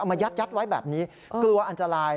มายัดไว้แบบนี้กลัวอันตราย